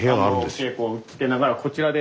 稽古をつけながらこちらで。